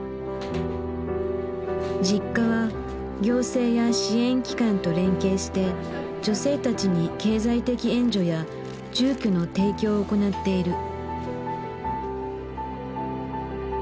Ｊｉｋｋａは行政や支援機関と連携して女性たちに経済的援助や住居の提供を行っている。